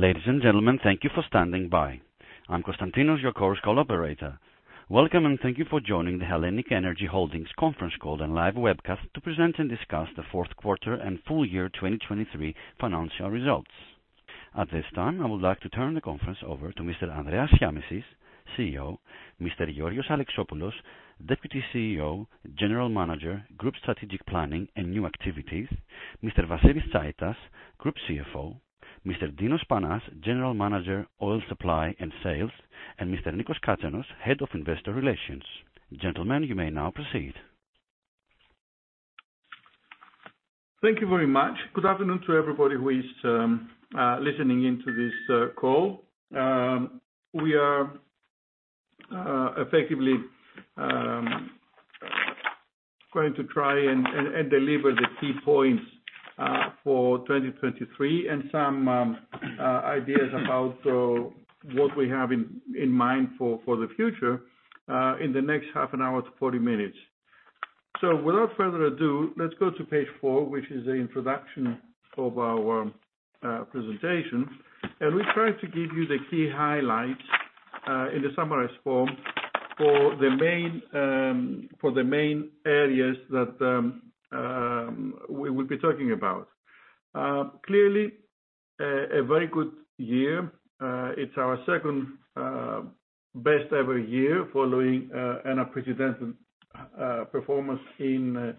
Ladies and gentlemen, thank you for standing by. I'm Constantinos, your conference call operator. Welcome, and thank you for joining the HELLENiQ ENERGY Holdings Conference Call and Live Webcast to present and discuss the Fourth Quarter and Full Year 2023 Financial Results. At this time, I would like to turn the conference over to Mr. Andreas Shiamishis, CEO, Mr. George Alexopoulos, Deputy CEO, General Manager, Group Strategic Planning and New Activities, Mr. Vasilis Tsaitas, Group CFO, Mr. Constantinos Panas, General Manager, Oil Supply and Sales, and Mr. Nikos Katsenos, Head of Investor Relations. Gentlemen, you may now proceed. Thank you very much. Good afternoon to everybody who is listening in to this call. We are effectively going to try and deliver the key points for 2023, and some ideas about what we have in mind for the future in the next half an hour to 40 minutes. So without further ado, let's go to page 4, which is the introduction of our presentation. We try to give you the key highlights in the summarized form for the main areas that we will be talking about. Clearly, a very good year. It's our second best ever year following an unprecedented performance in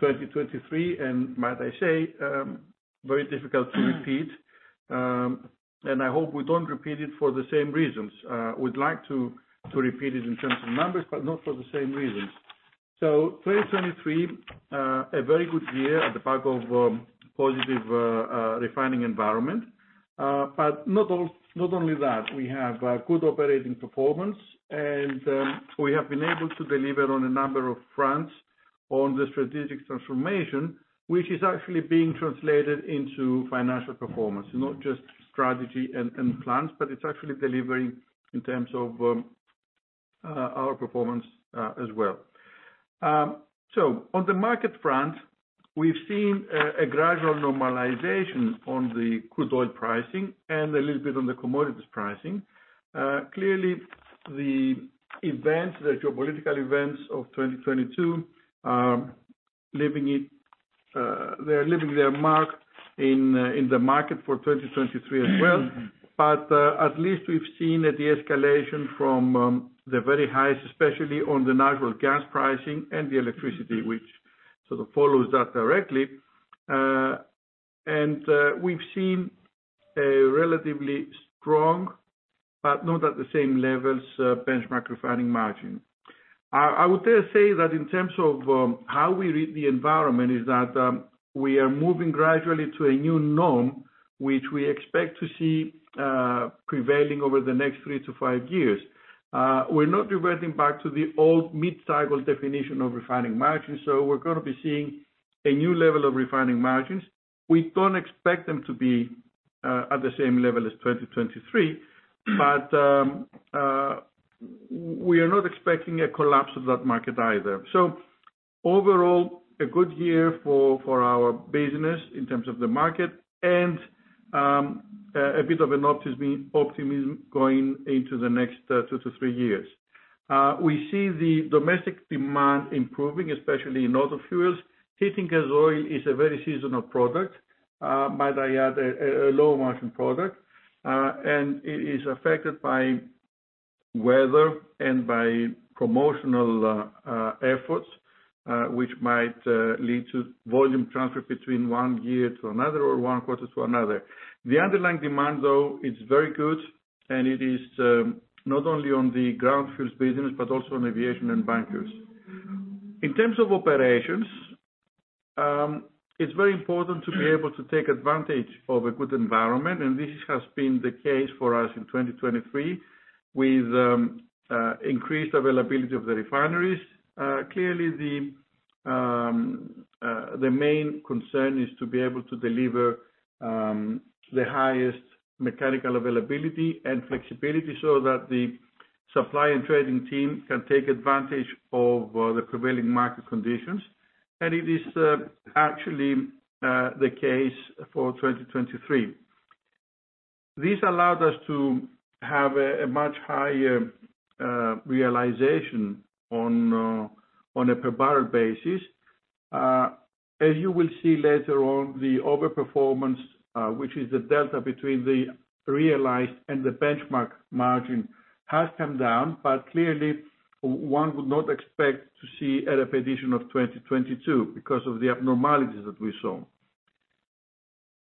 2023, and might I say, very difficult to repeat. And I hope we don't repeat it for the same reasons. We'd like to repeat it in terms of numbers, but not for the same reasons. So 2023, a very good year at the back of positive refining environment. But not all- not only that, we have good operating performance, and we have been able to deliver on a number of fronts on the strategic transformation, which is actually being translated into financial performance, not just strategy and plans, but it's actually delivering in terms of our performance as well. So on the market front, we've seen a gradual normalization on the crude oil pricing and a little bit on the commodities pricing. Clearly, the events, the geopolitical events of 2022, they're leaving their mark in the market for 2023 as well. But at least we've seen a de-escalation from the very highest, especially on the natural gas pricing and the electricity, which sort of follows that directly. And we've seen a relatively strong, but not at the same levels, benchmark refining margin. I would just say that in terms of how we read the environment is that we are moving gradually to a new norm, which we expect to see prevailing over the next 3-5 years. We're not reverting back to the old mid-cycle definition of refining margins, so we're gonna be seeing a new level of refining margins. We don't expect them to be at the same level as 2023, but we are not expecting a collapse of that market either. So overall, a good year for our business in terms of the market and a bit of an optimism, optimism going into the next 2-3 years. We see the domestic demand improving, especially in auto fuels. Heating gas oil is a very seasonal product, might I add, a low margin product, and it is affected by weather and by promotional efforts, which might lead to volume transfer between one year to another or one quarter to another. The underlying demand, though, is very good, and it is not only on the ground fuels business but also on aviation and bunkers. In terms of operations, it's very important to be able to take advantage of a good environment, and this has been the case for us in 2023 with increased availability of the refineries. Clearly, the main concern is to be able to deliver the highest mechanical availability and flexibility so that the supply and trading team can take advantage of the prevailing market conditions. And it is actually the case for 2023. This allowed us to have a much higher realization on a per barrel basis. As you will see later on, the overperformance, which is the delta between the realized and the benchmark margin, has come down, but clearly, one would not expect to see a repetition of 2022 because of the abnormalities that we saw.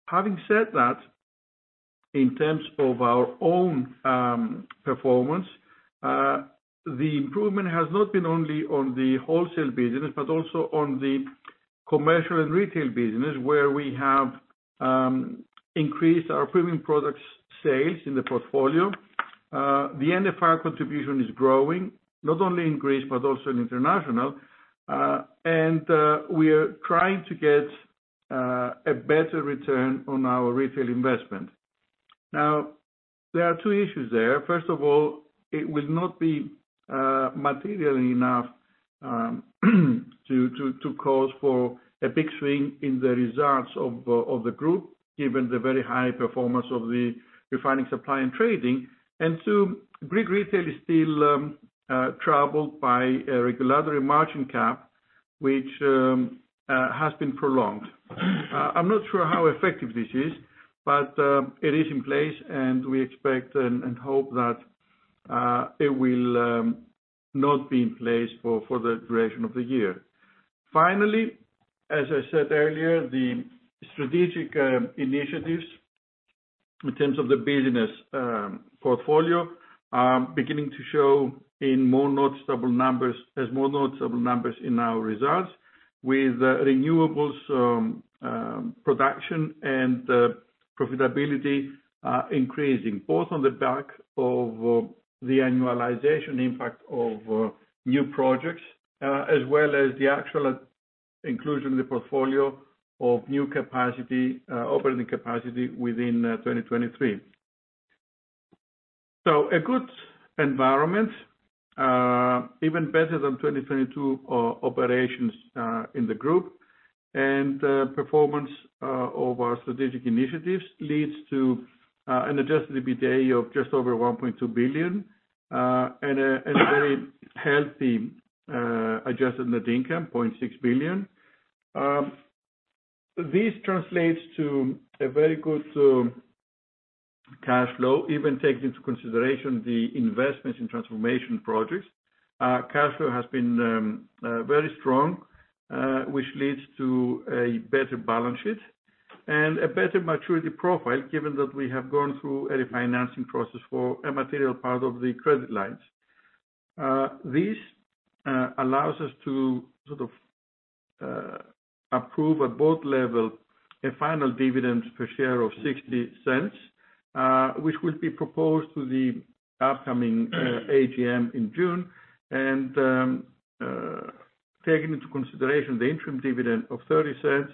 Having said that, in terms of our own performance, the improvement has not been only on the wholesale business, but also on the commercial and retail business, where we have increased our premium products sales in the portfolio. The NFR contribution is growing, not only in Greece, but also in international. And we are trying to get a better return on our retail investment. Now there are two issues there. First of all, it will not be material enough to cause for a big swing in the results of the group, given the very high performance of the refining supply and trading. And two, Greek retail is still troubled by a regulatory margin cap, which has been prolonged. I'm not sure how effective this is, but it is in place, and we expect and hope that it will not be in place for the duration of the year. Finally, as I said earlier, the strategic initiatives in terms of the business portfolio are beginning to show in more noticeable numbers—as more noticeable numbers in our results, with renewables production and profitability increasing, both on the back of the annualization impact of new projects as well as the actual inclusion in the portfolio of new capacity operating capacity within 2023. So a good environment even better than 2022 operations in the group. Performance of our strategic initiatives leads to an adjusted EBITDA of just over 1.2 billion and a very healthy adjusted net income of 0.6 billion. This translates to a very good cash flow, even taking into consideration the investments in transformation projects. Cash flow has been very strong, which leads to a better balance sheet and a better maturity profile, given that we have gone through a refinancing process for a material part of the credit lines. This allows us to sort of approve at board level a final dividend per share of 0.60, which will be proposed to the upcoming AGM in June. Taking into consideration the interim dividend of 0.30,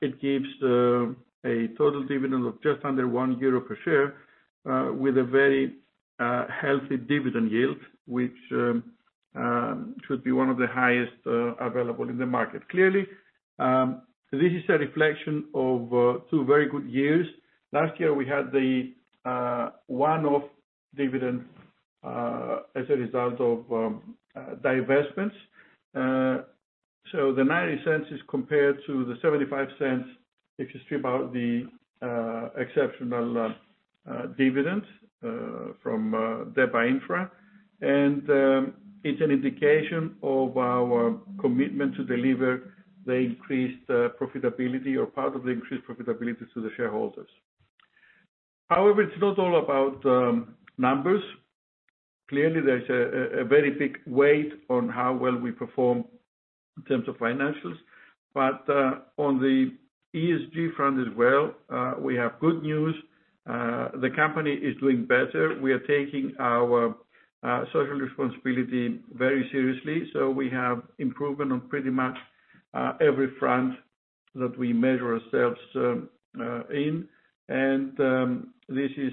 it gives a total dividend of just under 1 euro per share, with a very healthy dividend yield, which should be one of the highest available in the market. Clearly, this is a reflection of two very good years. Last year, we had the one-off dividend as a result of divestments. So the 0.90 is compared to the 0.75 if you strip out the exceptional dividend from DEPA Infra. It's an indication of our commitment to deliver the increased profitability or part of the increased profitability to the shareholders. However, it's not all about numbers. Clearly, there's a very big weight on how well we perform in terms of financials, but on the ESG front as well, we have good news. The company is doing better. We are taking our social responsibility very seriously, so we have improvement on pretty much every front that we measure ourselves in. This is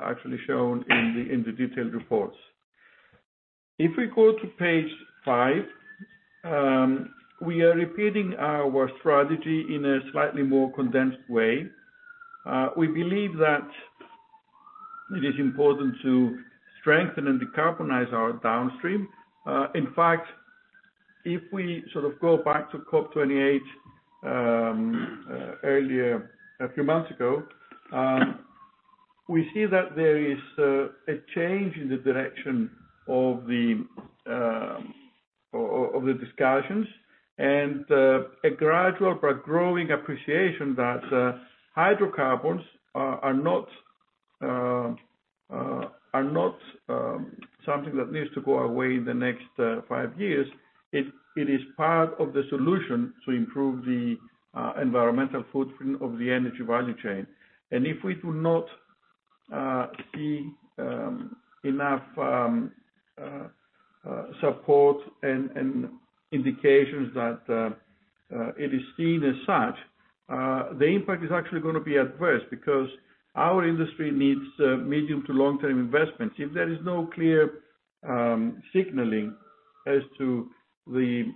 actually shown in the detailed reports. If we go to page five, we are repeating our strategy in a slightly more condensed way. We believe that it is important to strengthen and decarbonize our downstream. In fact, if we sort of go back to COP 28 earlier, a few months ago, we see that there is a change in the direction of the of the discussions, and a gradual but growing appreciation that hydrocarbons are not something that needs to go away in the next five years. It is part of the solution to improve the environmental footprint of the energy value chain. And if we do not see enough support and indications that it is seen as such, the impact is actually gonna be adverse because our industry needs medium to long-term investments. If there is no clear signaling as to the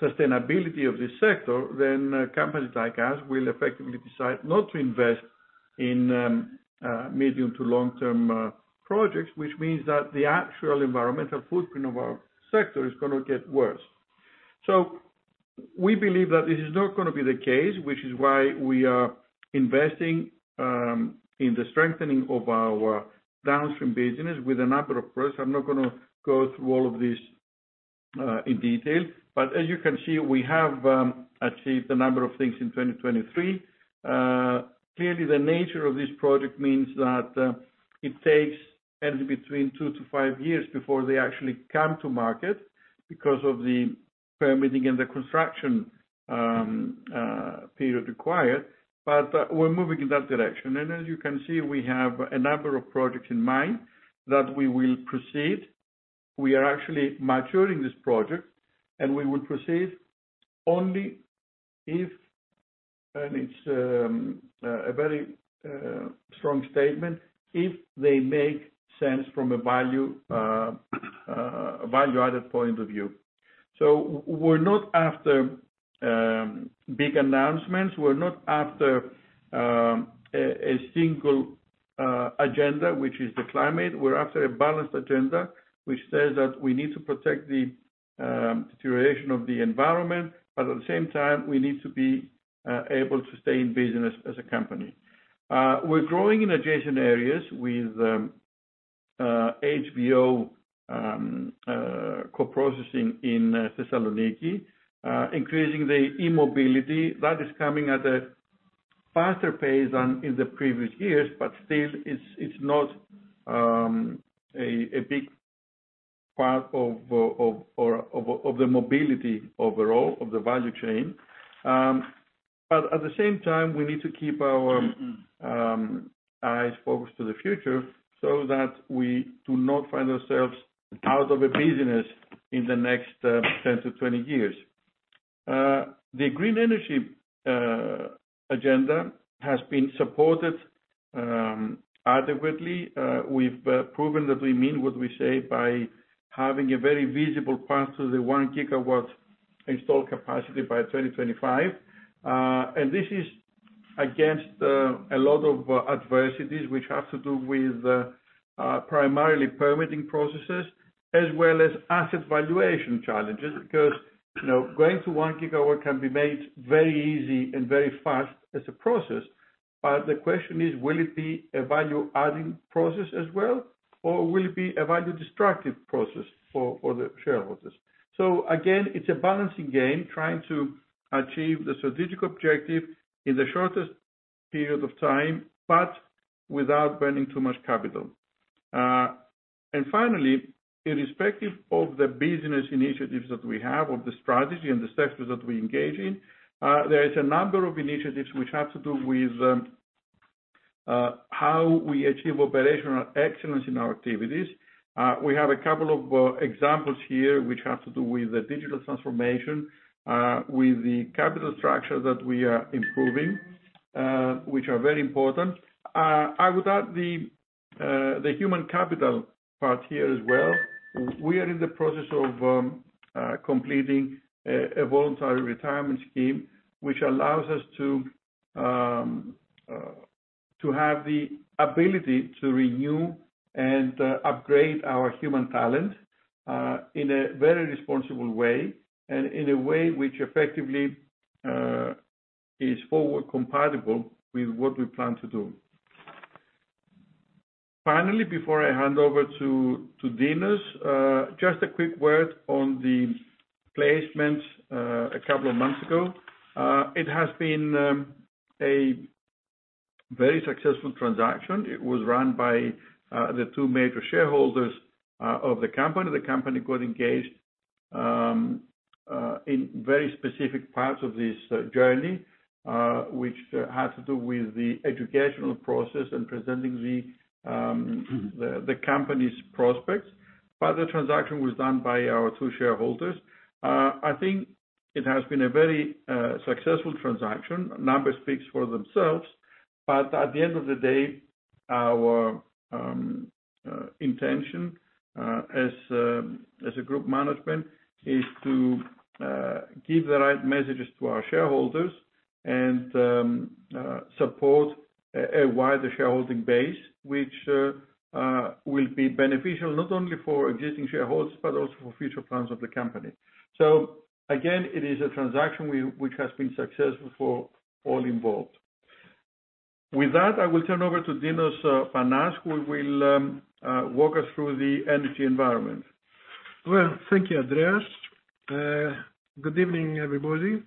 sustainability of this sector, then companies like us will effectively decide not to invest in medium to long-term projects, which means that the actual environmental footprint of our sector is gonna get worse. So we believe that this is not gonna be the case, which is why we are investing in the strengthening of our downstream business with a number of products. I'm not gonna go through all of this in detail, but as you can see, we have achieved a number of things in 2023. Clearly, the nature of this project means that it takes anywhere between 2-5 years before they actually come to market because of the permitting and the construction period required, but we're moving in that direction. As you can see, we have a number of projects in mind that we will proceed. We are actually maturing this project, and we will proceed only if, and it's a very strong statement, if they make sense from a value-added point of view. So we're not after big announcements, we're not after a single agenda, which is the climate. We're after a balanced agenda, which says that we need to protect the deterioration of the environment, but at the same time, we need to be able to stay in business as a company. We're growing in adjacent areas with HVO, co-processing in Thessaloniki, increasing the e-mobility. That is coming at a faster pace than in the previous years, but still, it's not a big part of the mobility overall, of the value chain. But at the same time, we need to keep our eyes focused to the future so that we do not find ourselves out of a business in the next 10-20 years. The green energy agenda has been supported adequately. We've proven that we mean what we say by having a very visible path to the 1 gigawatt installed capacity by 2025. And this is against a lot of adversities, which has to do with primarily permitting processes, as well as asset valuation challenges. Because, you know, going to 1 gigawatt can be made very easy and very fast as a process, but the question is: Will it be a value-adding process as well, or will it be a value-destructive process for, for the shareholders? So again, it's a balancing game, trying to achieve the strategic objective in the shortest period of time, but without burning too much capital. And finally, irrespective of the business initiatives that we have, or the strategy and the sectors that we engage in, there is a number of initiatives which have to do with how we achieve operational excellence in our activities. We have a couple of examples here, which have to do with the digital transformation, with the capital structure that we are improving, which are very important. I would add the human capital part here as well. We are in the process of completing a voluntary retirement scheme, which allows us to have the ability to renew and upgrade our human talent in a very responsible way, and in a way which effectively is forward compatible with what we plan to do. Finally, before I hand over to Dinos, just a quick word on the placement a couple of months ago. It has been a very successful transaction. It was run by the two major shareholders of the company. The company got engaged in very specific parts of this journey, which had to do with the educational process and presenting the company's prospects. But the transaction was done by our two shareholders. I think it has been a very successful transaction. Numbers speaks for themselves, but at the end of the day, our intention as a group management is to give the right messages to our shareholders and support a wider shareholding base, which will be beneficial not only for existing shareholders, but also for future plans of the company. So again, it is a transaction which has been successful for all involved. With that, I will turn over to Dinos Panas, who will walk us through the energy environment. Well, thank you, Andreas. Good evening, everybody.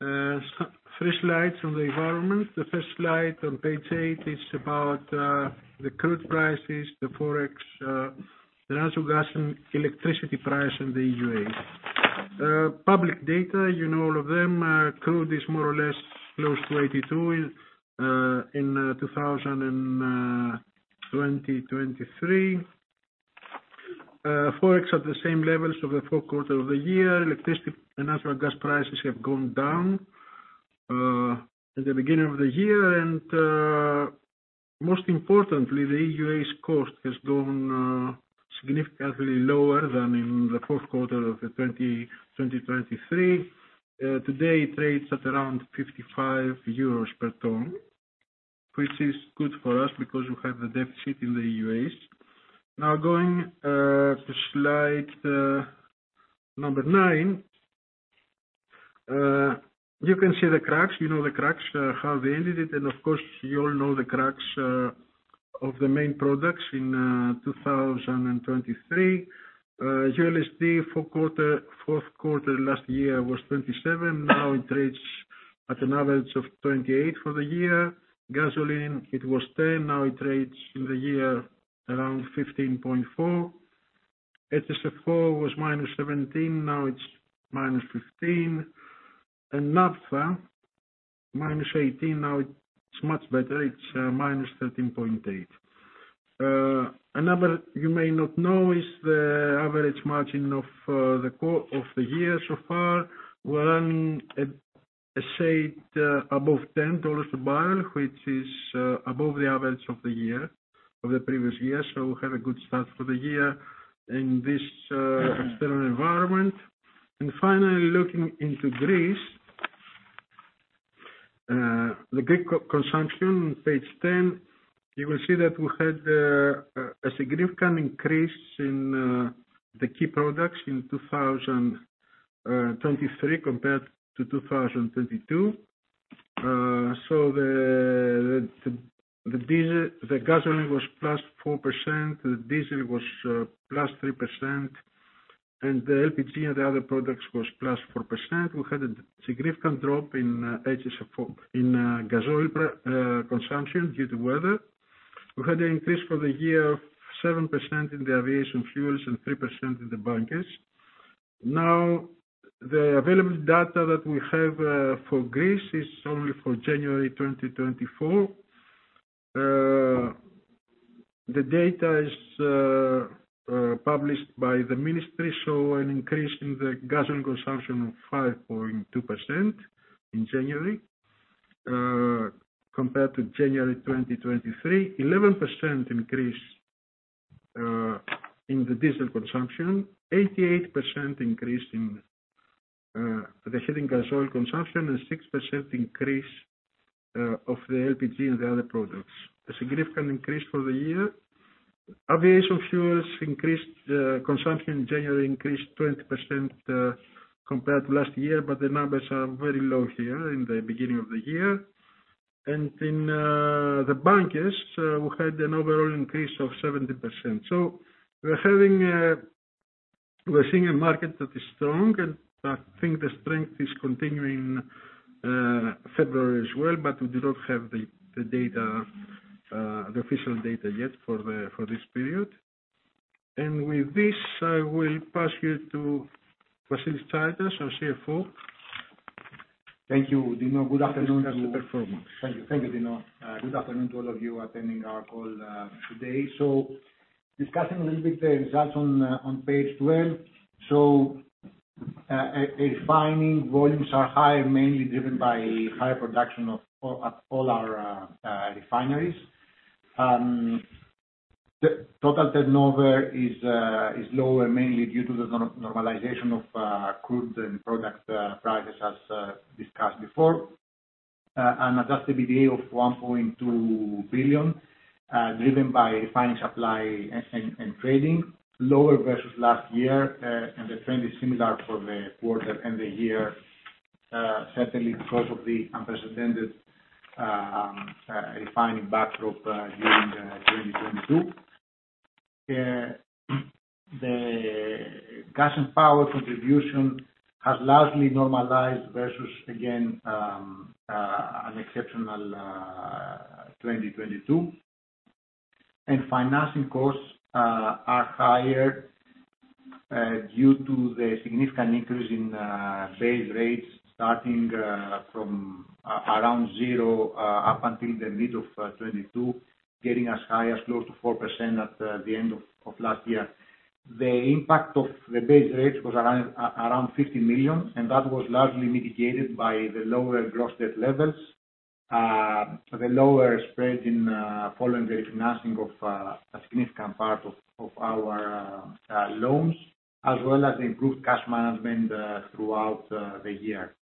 Three slides on the environment. The first slide on page 8 is about the crude prices, the Forex, the natural gas, and electricity price in the EUA. Public data, you know all of them. Crude is more or less close to 82 in 2023. Forex at the same levels of the fourth quarter of the year. Electricity and natural gas prices have gone down at the beginning of the year. And most importantly, the EUA's cost has gone significantly lower than in the fourth quarter of 2023. Today, it trades at around 55 euros per ton, which is good for us because we have the deficit in the EUAs. Now, going to slide number 9. You can see the cracks. You know the cracks, how they ended it, and of course, you all know the cracks of the main products in 2023. ULSD fourth quarter, fourth quarter last year was 27, now it trades at an average of 28 for the year. Gasoline, it was 10, now it trades in the year around 15.4. HSFO was -17, now it's -15. And naphtha minus 18, now it's much better, it's minus 13.8. A number you may not know is the average margin of the crack of the year so far, we're running at, I say, above $10 a barrel, which is above the average of the year of the previous year. So we had a good start for the year in this external environment. And finally, looking into Greece, the Greek consumption, page 10, you will see that we had a significant increase in the key products in 2023 compared to 2022. So the diesel, the gasoline was +4%, the diesel was +3%, and the LPG and the other products was +4%. We had a significant drop in HSFO in fuel consumption due to weather. We had an increase for the year of 7% in the aviation fuels and 3% in the bunkers. Now, the available data that we have for Greece is only for January 2024. The data is published by the ministry show an increase in the gasoline consumption of 5.2% in January compared to January 2023. 11% increase in the diesel consumption, 88% increase in the heating gasoline consumption, and 6% increase of the LPG and the other products. A significant increase for the year. Aviation fuels increased consumption in January increased 20% compared to last year, but the numbers are very low here in the beginning of the year. And in the bunkers, we had an overall increase of 70%. So we're seeing a market that is strong, and I think the strength is continuing February as well, but we do not have the data, the official data yet for this period. And with this, I will pass you to Vasilis Tsaitas, our CFO. Thank you, Dino. Good afternoon to- Thank you, thank you, Dinos. Good afternoon to all of you attending our call today. So discussing a little bit the results on page 12. So, refining volumes are high, mainly driven by high production of all our refineries. The total turnover is lower, mainly due to the normalization of crude and product prices, as discussed before. And adjusted EBITDA of 1.2 billion, driven by refining supply and trading. Lower versus last year, and the trend is similar for the quarter and the year, certainly because of the unprecedented refining backdrop during 2022. The gas and power contribution has largely normalized versus, again, an exceptional 2022. Financing costs are higher due to the significant increase in base rates starting from around zero up until the mid of 2022, getting as high as close to 4% at the end of last year. The impact of the base rates was around 50 million, and that was largely mitigated by the lower gross debt levels, the lower spread in following the refinancing of a significant part of our loans, as well as improved cash management throughout the year.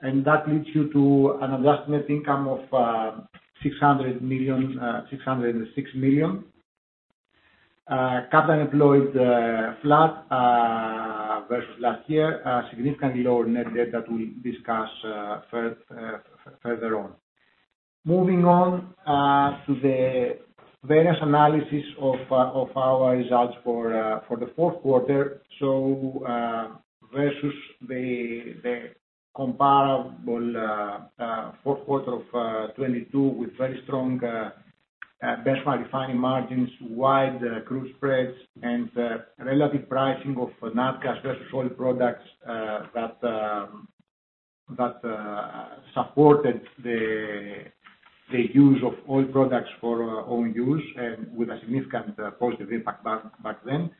That leads you to an adjusted net income of EUR 606 million. Capital employed flat versus last year, significantly lower net debt that we'll discuss further on. Moving on to the various analysis of our results for the fourth quarter. So, versus the comparable fourth quarter of 2022, with very strong benchmark refining margins, wide crude spreads, and relative pricing of naphtha versus oil products, that supported the use of oil products for our own use and with a significant positive impact back then.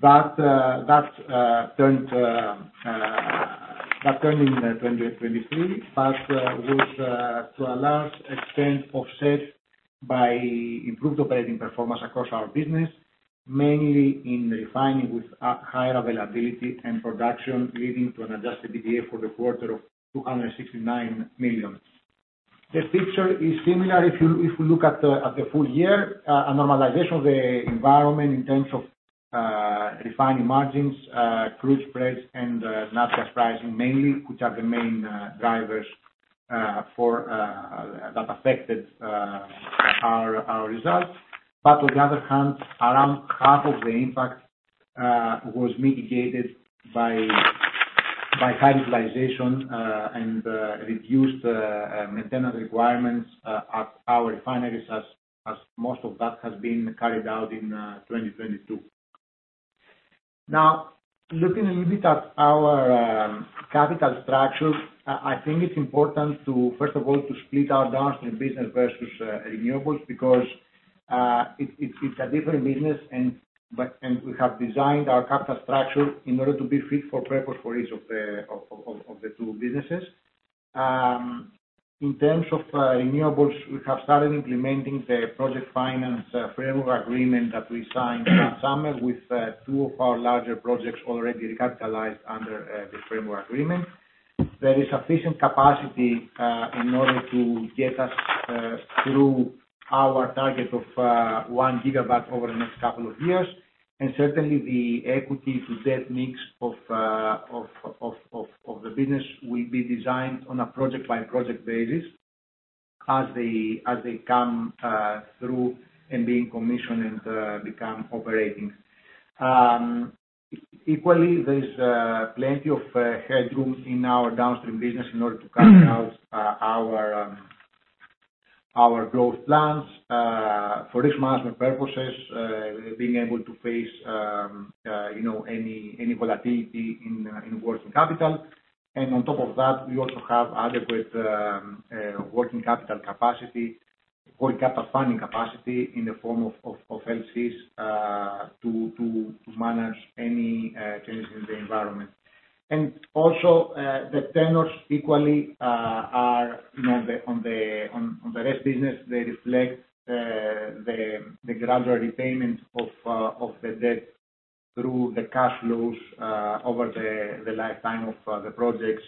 But that turned in 2023, but with to a large extent offset by improved operating performance across our business, mainly in refining with higher availability and production, leading to an adjusted EBITDA for the quarter of 269 million. The picture is similar if you look at the full year. A normalization of the environment in terms of refining margins, crude spreads, and naphtha pricing mainly, which are the main drivers for that affected our results. But on the other hand, around half of the impact was mitigated by high utilization and reduced maintenance requirements at our refineries as most of that has been carried out in 2022. Now, looking a little bit at our capital structure, I think it's important to first of all split our downstream business versus renewables, because it's a different business and we have designed our capital structure in order to be fit for purpose for each of the two businesses. In terms of renewables, we have started implementing the project finance framework agreement that we signed last summer with two of our larger projects already recapitalized under the framework agreement. There is sufficient capacity in order to get us through our target of one gigawatt over the next couple of years. And certainly the equity to debt mix of the business will be designed on a project-by-project basis as they come through and being commissioned and become operating. Equally, there's plenty of headroom in our downstream business in order to carry out our growth plans for risk management purposes, being able to face, you know, any volatility in working capital. And on top of that, we also have adequate working capital capacity, working capital funding capacity in the form of LCs to manage any changes in the environment. And also, the tenors equally are, you know, on the RES business, they reflect the gradual repayment of the debt through the cash flows over the lifetime of the projects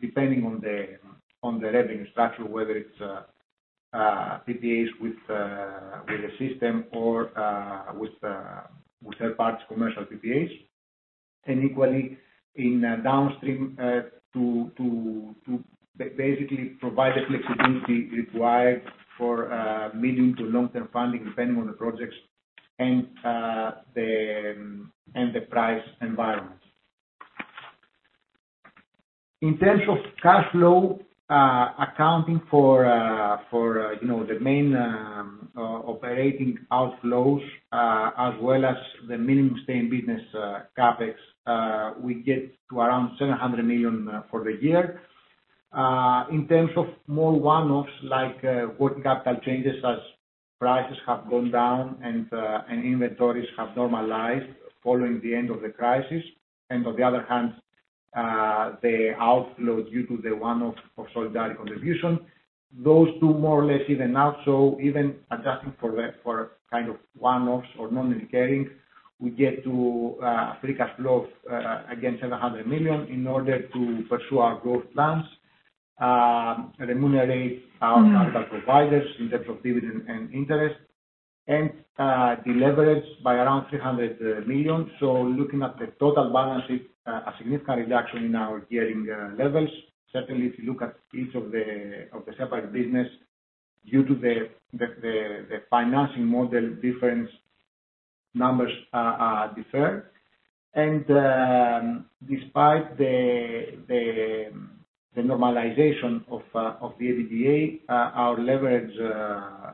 depending on the revenue structure, whether it's PPAs with the system or with third party commercial PPAs. And equally in downstream to basically provide the flexibility required for medium to long-term funding, depending on the projects and the price environment. In terms of cash flow, accounting for, for, you know, the main, operating outflows, as well as the minimum stay in business, CapEx, we get to around 700 million, for the year. In terms of more one-offs, like, working capital changes as prices have gone down, and, and inventories have normalized following the end of the crisis. And on the other hand, the outflows due to the one-off of solidarity contribution, those two more or less even out. So even adjusting for the, for kind of one-offs or non-recurring, we get to, free cash flow of, again, 700 million in order to pursue our growth plans, remunerate our capital providers in terms of dividend and interest, and, deleverage by around 300 million. Looking at the total balance sheet, a significant reduction in our gearing levels. Certainly, if you look at each of the separate business, due to the financing model, different numbers are deferred. Despite the normalization of the EBITDA, our leverage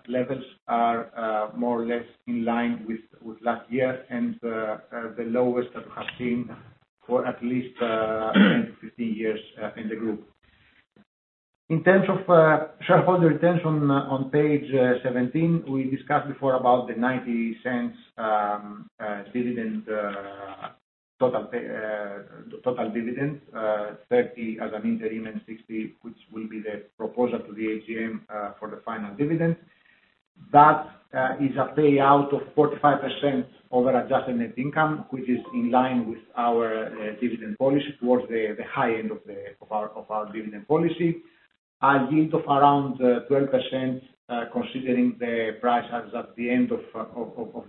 levels are more or less in line with last year and the lowest that we have seen for at least 15 years in the group. In terms of shareholder returns on page 17, we discussed before about the 0.90 total dividend, 0.30 as an interim and 0.60, which will be the proposal to the AGM for the final dividend. That is a payout of 45% over adjusted net income, which is in line with our dividend policy, towards the high end of our dividend policy. A yield of around 12%, considering the price as at the end of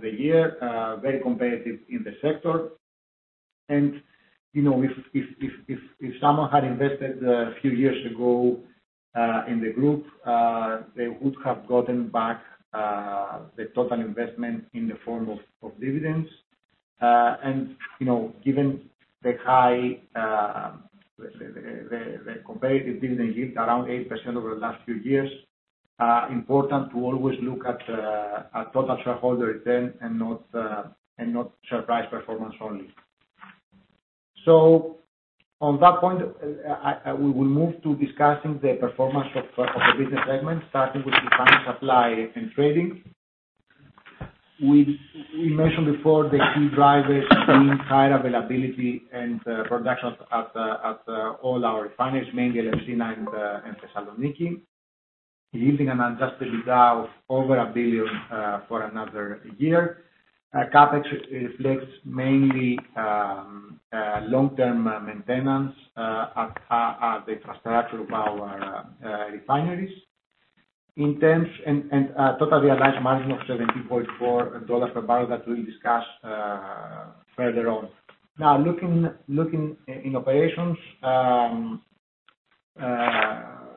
the year, very competitive in the sector. And, you know, if someone had invested a few years ago in the group, they would have gotten back the total investment in the form of dividends. And, you know, given the high, the competitive dividend yield around 8% over the last few years, important to always look at total shareholder return and not share price performance only. So on that point, we will move to discussing the performance of the business segments, starting with refining, supply, and trading. We mentioned before the key drivers being high availability and production at all our refineries, mainly Elefsina and Thessaloniki, yielding an adjusted EBITDA of over 1 billion for another year. CapEx reflects mainly long-term maintenance at the infrastructure of our refineries. And total realized margin of $70.4 per barrel that we'll discuss further on. Now, looking in operations,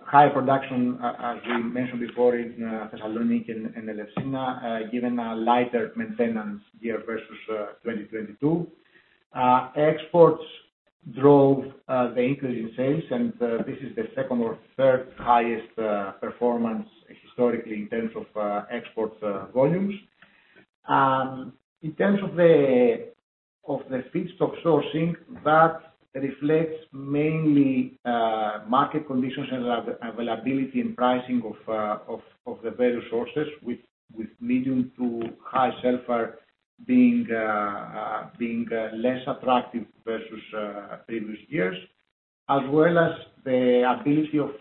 high production as we mentioned before, in Thessaloniki and Elefsina, given a lighter maintenance year versus 2022. Exports-... drove the increase in sales, and this is the second or third highest performance historically in terms of exports volumes. In terms of the feedstock sourcing, that reflects mainly market conditions and availability and pricing of the various sources, with medium to high sulfur being less attractive versus previous years. As well as the ability of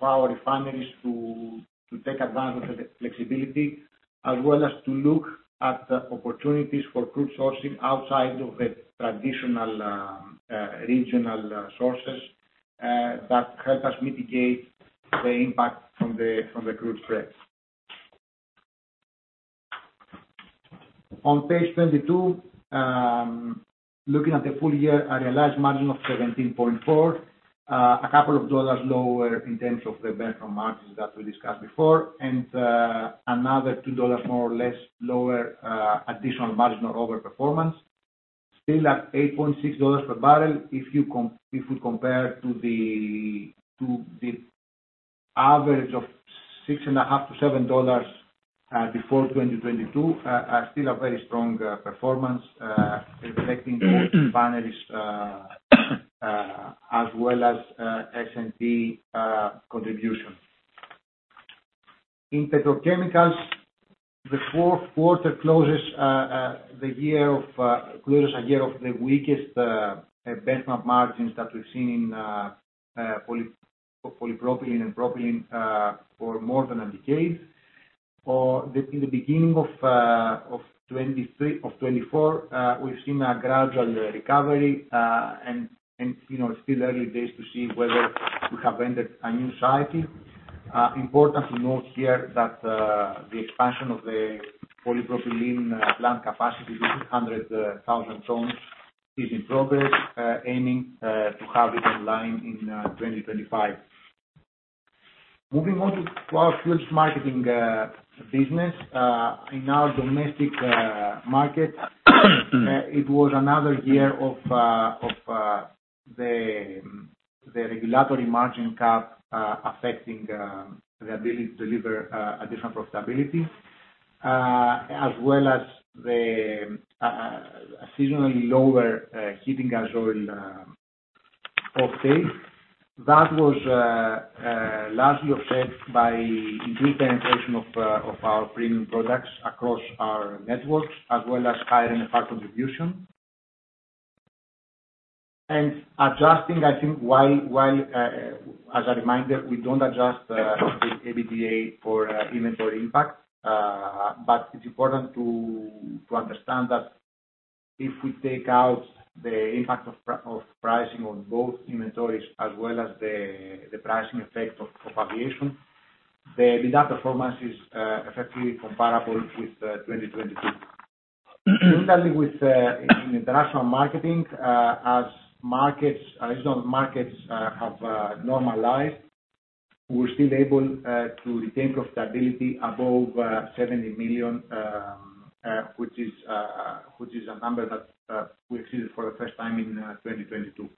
our refineries to take advantage of the flexibility, as well as to look at the opportunities for crude sourcing outside of the traditional regional sources that help us mitigate the impact from the crude spread. On page 22, looking at the full year, a realized margin of $17.4, a couple of dollars lower in terms of the benchmark margins that we discussed before, and another two dollars more or less lower, additional marginal overperformance. Still at $8.6 per barrel, if we compare to the average of $6.5-$7, before 2022, still a very strong performance, reflecting refineries as well as S&T contribution. In petrochemicals, the fourth quarter closes a year of the weakest benchmark margins that we've seen in polypropylene and propylene for more than a decade. Or, in the beginning of 2023-2024, we've seen a gradual recovery, and, you know, it's still early days to see whether we have entered a new society. Important to note here that the expansion of the polypropylene plant capacity to 600,000 tons is in progress, aiming to have it online in 2025. Moving on to our fuels marketing business. In our domestic market, it was another year of the regulatory margin cap affecting the ability to deliver additional profitability. As well as the seasonally lower heating gas oil offtake. That was largely offset by increased penetration of our premium products across our networks, as well as higher NFR contribution. Adjusting, I think, while as a reminder, we don't adjust the EBITDA for inventory impact, but it's important to understand that if we take out the impact of pricing on both inventories as well as the pricing effect of aviation, the adjusted performance is effectively comparable with 2022. Similarly within international marketing, as regional markets have normalized, we're still able to retain profitability above 70 million, which is a number that we exceeded for the first time in 2022.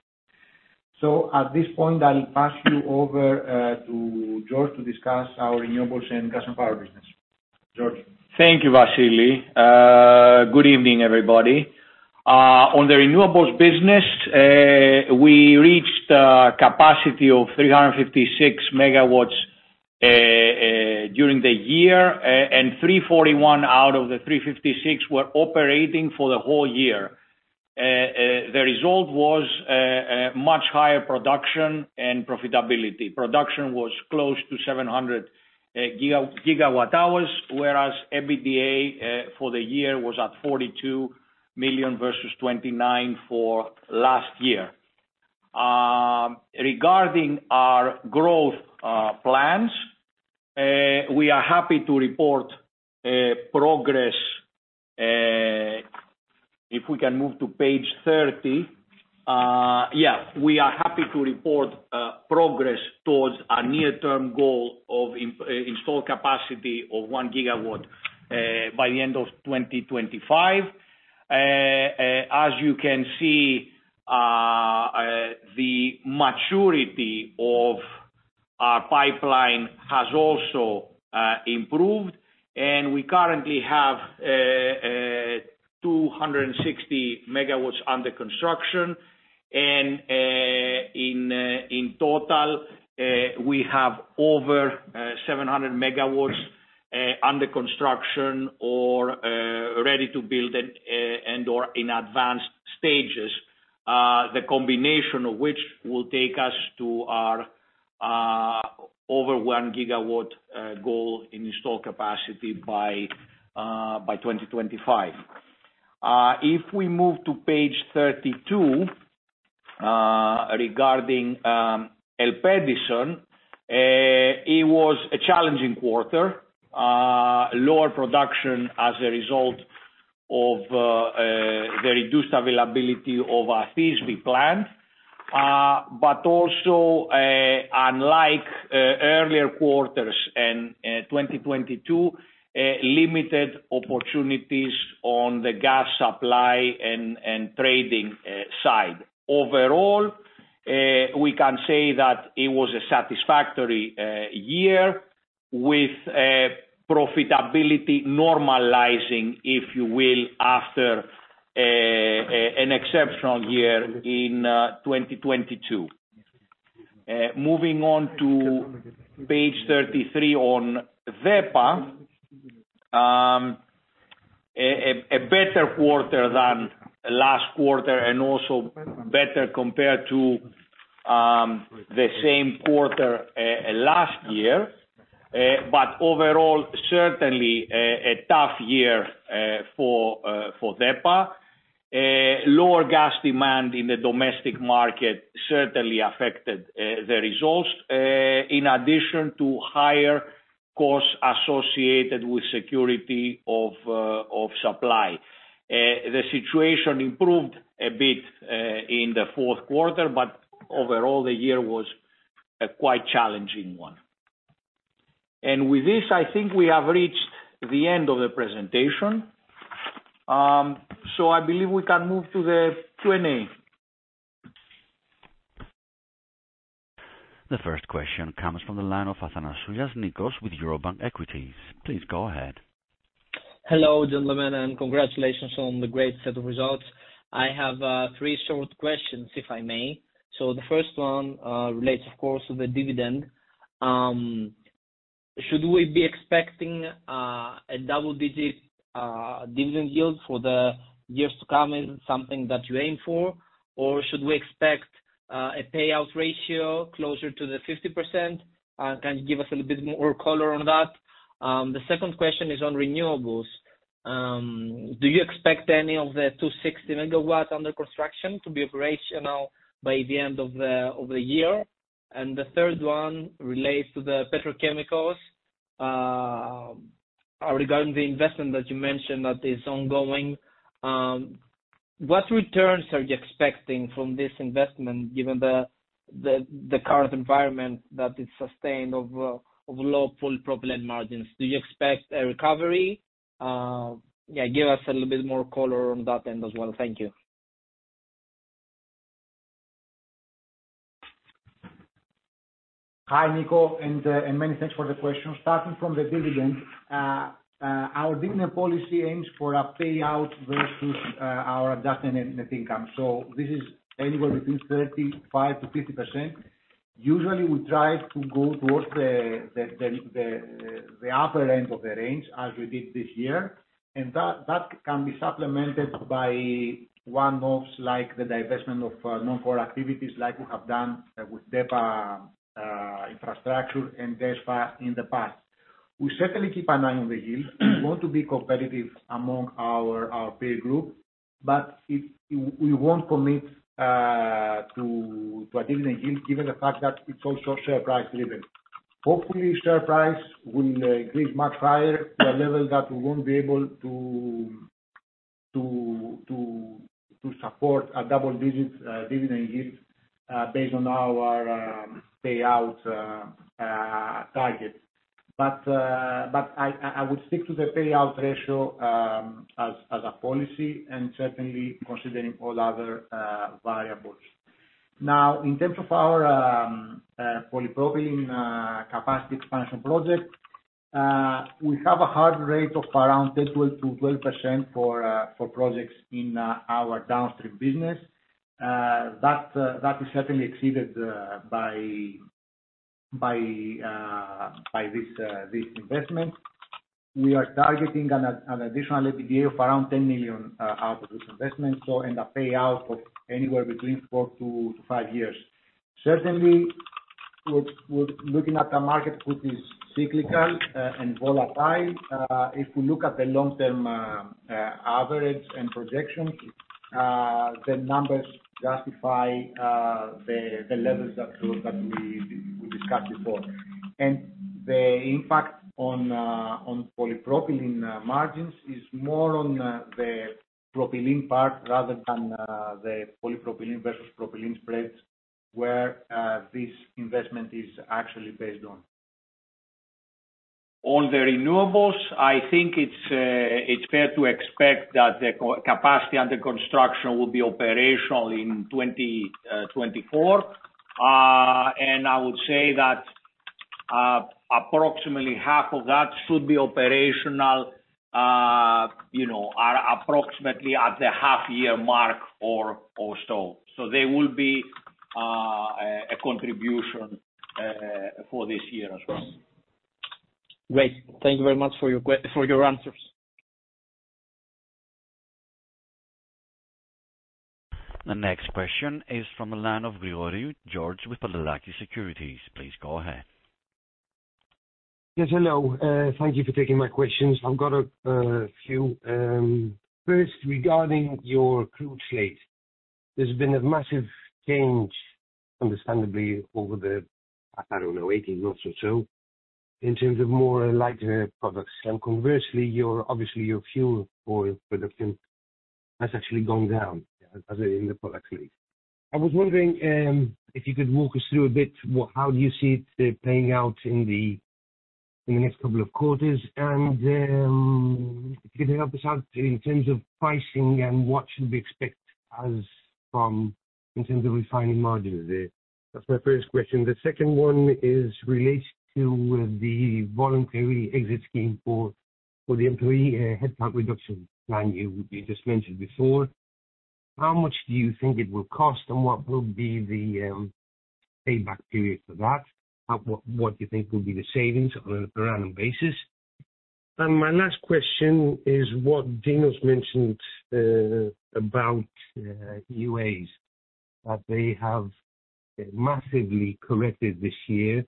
So at this point, I'll pass you over to George to discuss our renewables and gas and power business. George? Thank you, Vasilis. Good evening, everybody. On the renewables business, we reached capacity of 356 megawatts during the year, and 341 out of the 356 were operating for the whole year. The result was much higher production and profitability. Production was close to 700 gigawatt hours, whereas EBITDA for the year was at 42 million, versus 29 million for last year. Regarding our growth plans, we are happy to report progress, if we can move to page 30. Yeah, we are happy to report progress towards our near-term goal of installed capacity of 1 gigawatt by the end of 2025. As you can see, the maturity of our pipeline has also improved, and we currently have 260 MW under construction. In total, we have over 700 MW under construction or ready to build and/or in advanced stages. The combination of which will take us to our over 1 GW goal in install capacity by 2025. If we move to page 32, regarding ELPEDISON, it was a challenging quarter. Lower production as a result of the reduced availability of fuels we planned, but also, unlike earlier quarters and 2022, limited opportunities on the gas supply and trading side. Overall, we can say that it was a satisfactory year with profitability normalizing, if you will, after an exceptional year in 2022. Moving on to page 33 on DEPA, a better quarter than last quarter, and also better compared to the same quarter last year. But overall, certainly, a tough year for DEPA. Lower gas demand in the domestic market certainly affected the results, in addition to higher costs associated with security of supply. The situation improved a bit in the fourth quarter, but overall the year was a quite challenging one. And with this, I think we have reached the end of the presentation. I believe we can move to the Q&A. The first question comes from the line of Nikos Athanasoulas with Eurobank Equities. Please go ahead. Hello, gentlemen, and congratulations on the great set of results. I have 3 short questions, if I may. So the first one relates of course to the dividend. Should we be expecting a double-digit dividend yield for the years to come, and something that you aim for? Or should we expect a payout ratio closer to the 50%? Can you give us a little bit more color on that? The second question is on renewables. Do you expect any of the 260 MW under construction to be operational by the end of the year? And the third one relates to the petrochemicals. Regarding the investment that you mentioned that is ongoing, what returns are you expecting from this investment, given the current environment that is sustained of low polypropylene margins? Do you expect a recovery? Yeah, give us a little bit more color on that end as well. Thank you. Hi, Nico, and many thanks for the question. Starting from the dividend, our dividend policy aims for a payout versus our adjusted net income. So this is anywhere between 35%-50%. Usually, we try to go towards the upper end of the range, as we did this year. And that can be supplemented by one-offs, like the divestment of non-core activities like we have done with DEPA infrastructure and DESFA in the past. We certainly keep an eye on the yield. We want to be competitive among our peer group, but we won't commit to a dividend yield, given the fact that it's also share price driven. Hopefully, share price will increase much higher to a level that we won't be able to support a double-digit dividend yield based on our payout target. But I would stick to the payout ratio as a policy and certainly considering all other variables. Now, in terms of our polypropylene capacity expansion project, we have a hurdle rate of around 10%-12% for projects in our downstream business. That is certainly exceeded by this investment. We are targeting an additional EBITDA of around 10 million out of this investment, so and a payout of anywhere between 4-5 years. Certainly, we're looking at a market which is cyclical and volatile. If you look at the long-term average and projections, the numbers justify the levels that we discussed before. And the impact on polypropylene margins is more on the propylene part rather than the polypropylene versus propylene spreads, where this investment is actually based on. On the renewables, I think it's fair to expect that the co-capacity under construction will be operational in 2024. And I would say that approximately half of that should be operational, you know, at approximately the half year mark or so. So there will be a contribution for this year as well. Great. Thank you very much for your answers. The next question is from the line of George Grigoriou with Pantelakis Securities. Please go ahead. Yes, hello. Thank you for taking my questions. I've got a few. First, regarding your crude slate, there's been a massive change, understandably, over the, I don't know, 18 months or so, in terms of more lighter products, and conversely, your obviously your fuel oil production has actually gone down, as in the product lead. I was wondering if you could walk us through a bit, well, how do you see it playing out in the next couple of quarters? And if you could help us out in terms of pricing and what should we expect as from, in terms of refining margins? That's my first question. The second one is related to the voluntary exit scheme for the employee headcount reduction plan you just mentioned before. How much do you think it will cost, and what will be the payback period for that? What do you think will be the savings on a random basis? And my last question is what Dinos mentioned about EUAs, that they have massively corrected this year.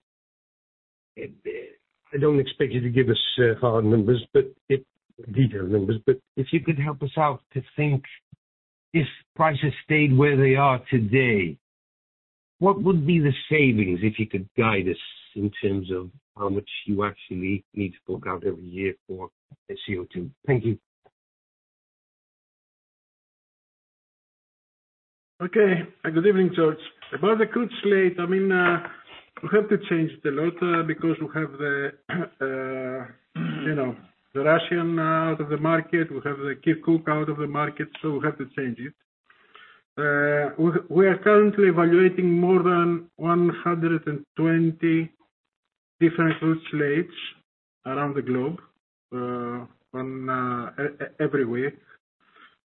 I don't expect you to give us hard numbers, but detailed numbers, but if you could help us out to think, if prices stayed where they are today, what would be the savings? If you could guide us in terms of how much you actually need to fork out every year for CO2. Thank you. Okay, good evening, George. About the crude slate, I mean, we have to change it a lot, because we have the, you know, the Russian, out of the market, we have the Kirkuk out of the market, so we have to change it. We are currently evaluating more than 120 different crude slates around the globe, on, everywhere.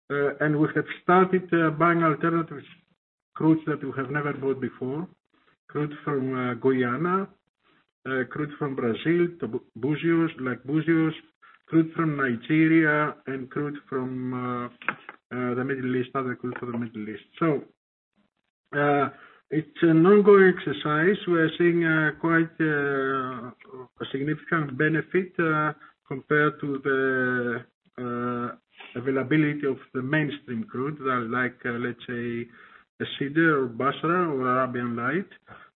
And we have started, buying alternatives crudes that we have never bought before. Crude from, Guyana, crude from Brazil, to Buzios, like Buzios, crude from Nigeria, and crude from, the Middle East, other crude from the Middle East. So, it's an ongoing exercise. We are seeing quite a significant benefit compared to the availability of the mainstream crude, like, let's say, Es Sider or Basra or Arabian Light,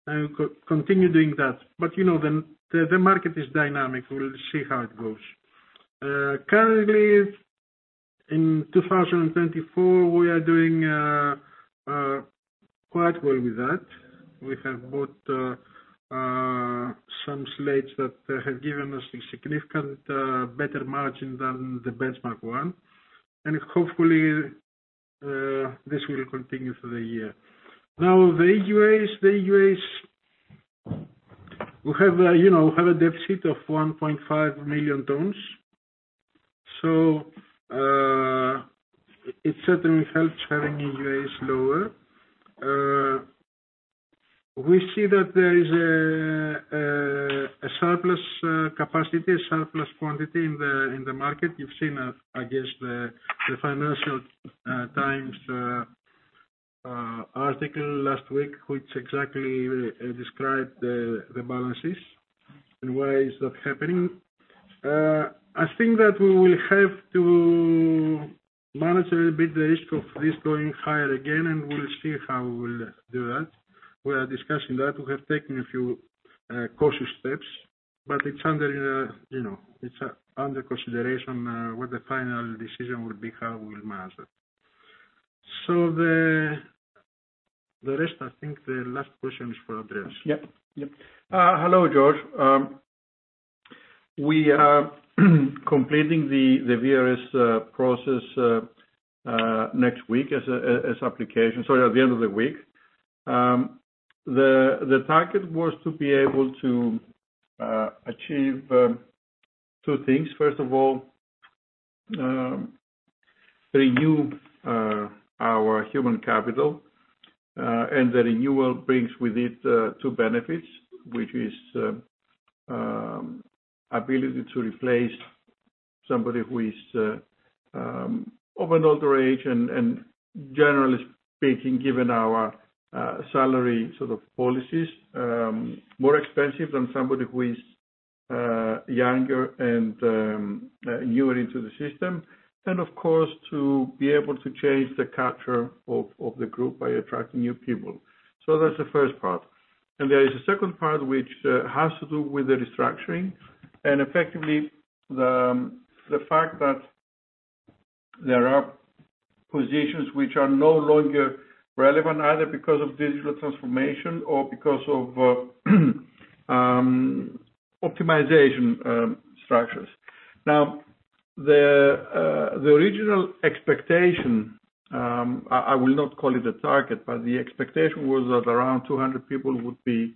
and continue doing that. But, you know, the market is dynamic. We'll see how it goes. Currently, in 2024, we are doing quite well with that. We have bought some slates that have given us a significant better margin than the benchmark one, and hopefully this will continue through the year. Now, the EUAs, the EUAs, we have, you know, have a deficit of 1.5 million tons. So it certainly helps having EUAs lower. We see that there is a surplus capacity, a surplus quantity in the market. You've seen, I guess, the Financial Times article last week, which exactly described the balances and why is that happening. I think that we will have to manage a little bit the risk of this going higher again, and we will see how we will do that. We are discussing that. We have taken a few cautious steps, but it's under, you know, it's under consideration what the final decision will be, how we will manage that. So the rest, I think the last question is for Andreas. Yep. Yep. Hello, George. We are completing the VRS process next week at the end of the week. The target was to be able to achieve two things. First of all, renew our human capital, and the renewal brings with it two benefits, which is ability to replace somebody who is of an older age, and generally speaking, given our salary sort of policies, more expensive than somebody who is younger and newer into the system. And of course, to be able to change the culture of the group by attracting new people. So that's the first part. There is a second part which has to do with the restructuring, and effectively, the fact that there are positions which are no longer relevant, either because of digital transformation or because of optimization structures. Now, the original expectation, I will not call it a target, but the expectation was that around 200 people would be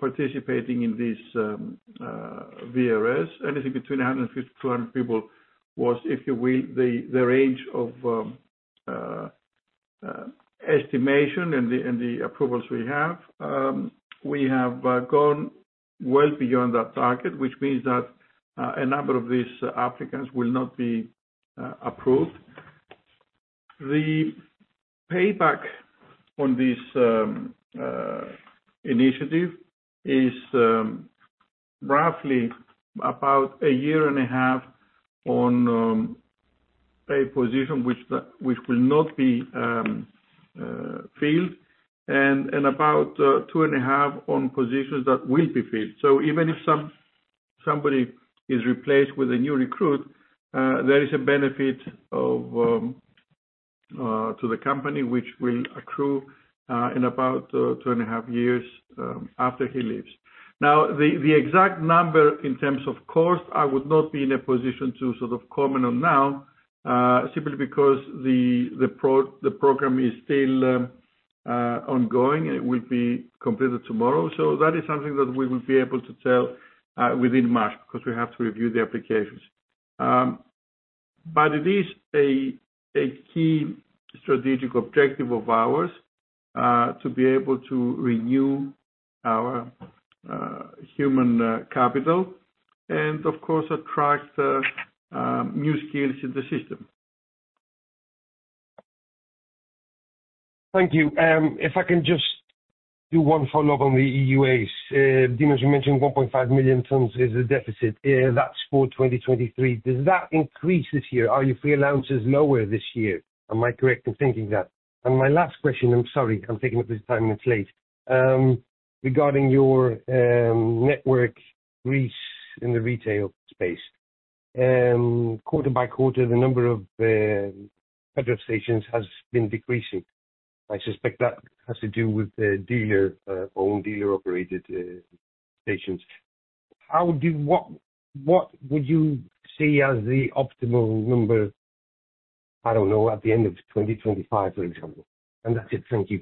participating in this VRS. Anything between 150-200 people was, if you will, the range of estimation and the approvals we have. We have gone well beyond that target, which means that a number of these applicants will not be approved. The payback on this initiative is roughly about a year and a half on a position which will not be filled, and about two and a half on positions that will be filled. So even if somebody is replaced with a new recruit, there is a benefit to the company which will accrue in about two and a half years after he leaves. Now, the exact number in terms of cost, I would not be in a position to sort of comment on now, simply because the program is still ongoing, and it will be completed tomorrow. So that is something that we will be able to tell within March, 'cause we have to review the applications. But it is a key strategic objective of ours to be able to renew our human capital and of course attract new skills in the system. Thank you. If I can just do one follow-up on the EUAs. Dinos, you mentioned 1.5 million tons is the deficit, that's for 2023. Does that increase this year? Are your free allowances lower this year? Am I correct in thinking that? And my last question, I'm sorry, I'm taking up this time, it's late. Regarding your network reach in the retail space. Quarter by quarter, the number of petrol stations has been decreasing. I suspect that has to do with the dealer, own dealer-operated, stations. How do you—what, what would you see as the optimal number, I don't know, at the end of 2025, for example? And that's it. Thank you.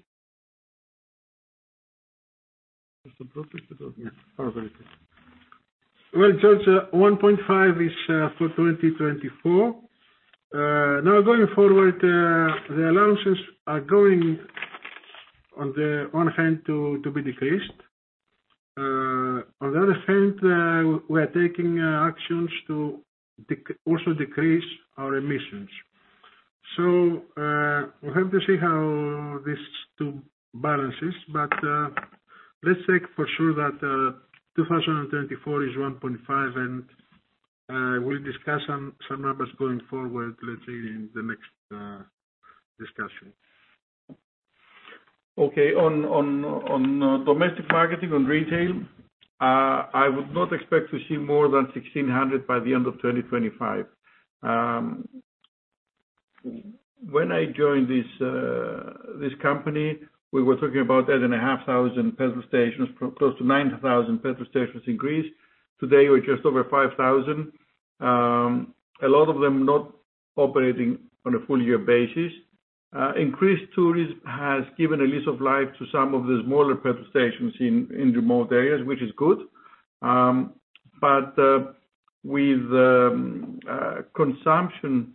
Well, George, 1.5 is for 2024. Now going forward, the allowances are going on the one hand to be decreased. On the other hand, we are taking actions to also decrease our emissions. So, we have to see how these two balances, but let's take for sure that 2024 is 1.5, and we'll discuss some numbers going forward, let's say, in the next discussion. Okay, on domestic marketing, on retail, I would not expect to see more than 1,600 by the end of 2025. When I joined this company, we were talking about 8,500 petrol stations, close to 9,000 petrol stations in Greece. Today, we're just over 5,000, a lot of them not operating on a full year basis. Increased tourism has given a lease of life to some of the smaller gas stations in remote areas, which is good. But with consumption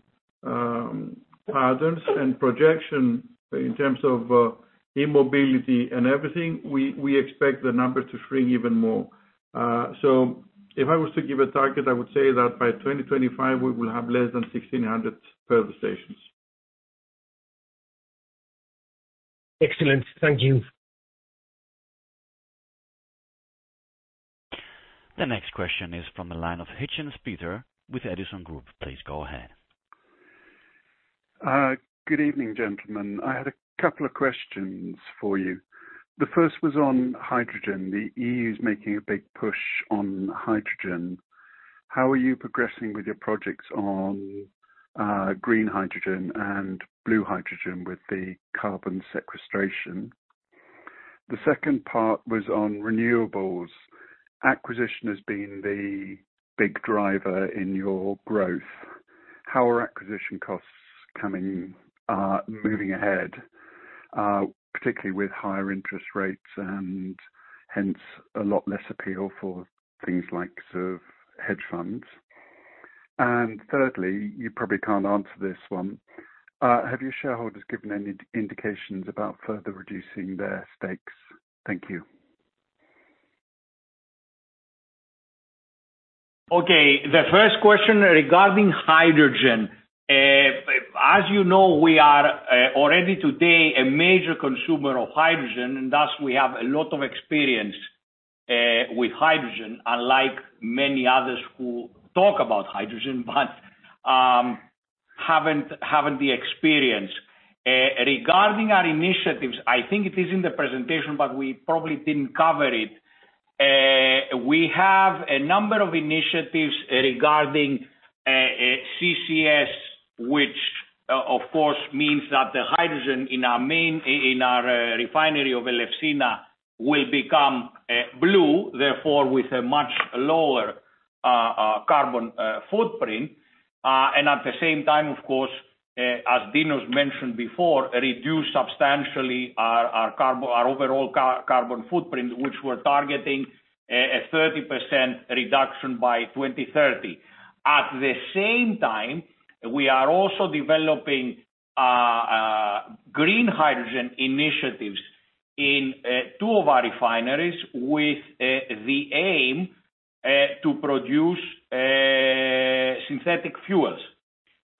patterns and projection in terms of e-mobility and everything, we expect the number to shrink even more. So if I was to give a target, I would say that by 2025 we will have less than 1,600 gas stations. Excellent. Thank you. The next question is from the line of Peter Hitchens with The Edison Group. Please go ahead. Good evening, gentlemen. I had a couple of questions for you. The first was on hydrogen. The EU is making a big push on hydrogen. How are you progressing with your projects on green hydrogen and blue hydrogen with the carbon sequestration? The second part was on renewables. Acquisition has been the big driver in your growth. How are acquisition costs coming, moving ahead, particularly with higher interest rates and hence a lot less appeal for things like sort of hedge funds? And thirdly, you probably can't answer this one. Have your shareholders given any indications about further reducing their stakes? Thank you. Okay. The first question regarding hydrogen. As you know, we are already today a major consumer of hydrogen, and thus we have a lot of experience with hydrogen, unlike many others who talk about hydrogen, but haven't the experience. Regarding our initiatives, I think it is in the presentation, but we probably didn't cover it. We have a number of initiatives regarding CCS, which of course means that the hydrogen in our main refinery of Elefsina will become blue, therefore, with a much lower carbon footprint. And at the same time, of course, as Dinos mentioned before, reduce substantially our carbon, our overall carbon footprint, which we're targeting a 30% reduction by 2030. At the same time, we are also developing green hydrogen initiatives in two of our refineries with the aim to produce synthetic fuels.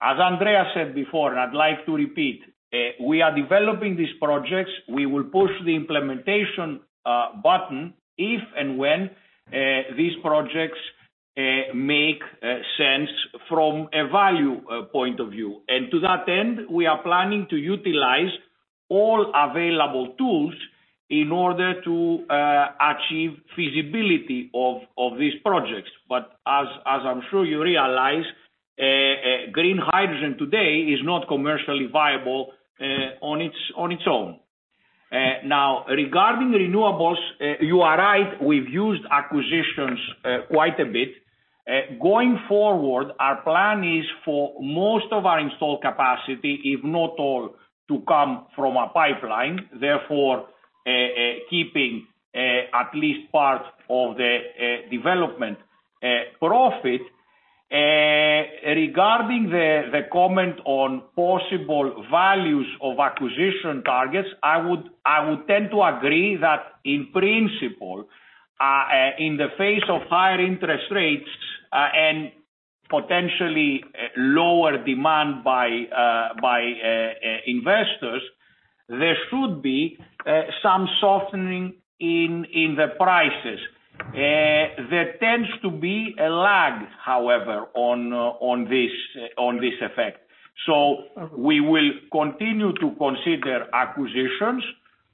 As Andreas said before, and I'd like to repeat, we are developing these projects. We will push the implementation button if and when these projects make sense from a value point of view. And to that end, we are planning to utilize all available tools in order to achieve feasibility of these projects. But as I'm sure you realize, green hydrogen today is not commercially viable on its own. Now, regarding renewables, you are right, we've used acquisitions quite a bit. Going forward, our plan is for most of our installed capacity, if not all, to come from a pipeline, therefore, keeping at least part of the development profit. Regarding the comment on possible values of acquisition targets, I would tend to agree that in principle, in the face of higher interest rates and potentially lower demand by investors, there should be some softening in the prices. There tends to be a lag, however, on this effect. So we will continue to consider acquisitions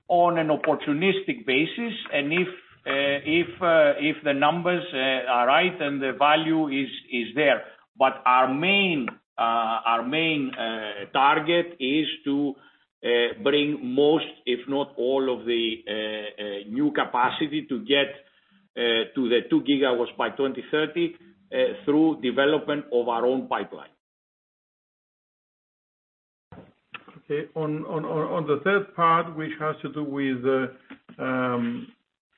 on an opportunistic basis, and if the numbers are right, then the value is there. But our main target is to bring most, if not all, of the new capacity to get to the 2 gigawatts by 2030 through development of our own pipeline. Okay. On the third part, which has to do with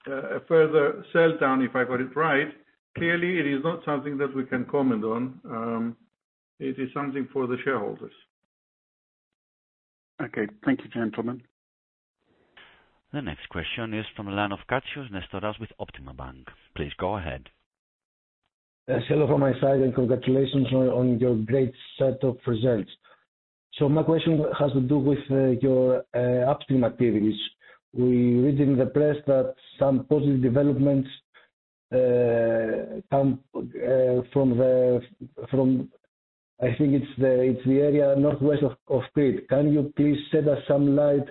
a further sell down, if I got it right, clearly, it is not something that we can comment on. It is something for the shareholders. Okay. Thank you, gentlemen. The next question is from the line of Nestoras Katsios with Optima Bank. Please go ahead. Yes, hello from my side, and congratulations on your great set of results. So my question has to do with your upstream activities. We read in the press that some positive developments come from the area northwest of Crete. Can you please shed us some light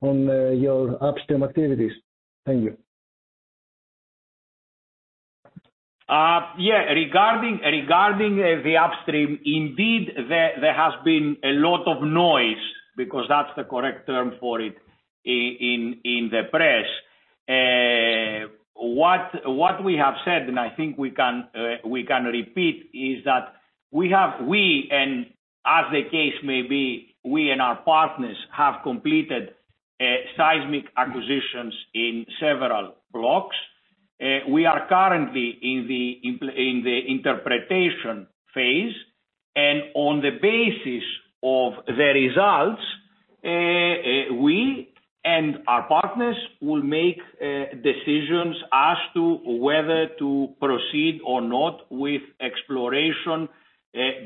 on your upstream activities? Thank you. Yeah. Regarding the upstream, indeed, there has been a lot of noise, because that's the correct term for it, in the press. What we have said, and I think we can repeat, is that we, and as the case may be, we and our partners have completed seismic acquisitions in several blocks. We are currently in the interpretation phase, and on the basis of the results, we and our partners will make decisions as to whether to proceed or not with exploration